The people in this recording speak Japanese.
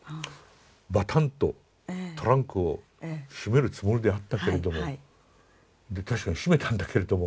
バタンとトランクを閉めるつもりであったけれどもで確かに閉めたんだけれども。